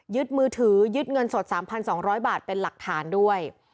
มือถือยึดเงินสด๓๒๐๐บาทเป็นหลักฐานด้วย